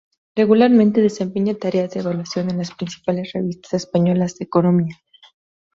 Regularmente desempeña tareas de evaluación en las principales revistas españolas de economía.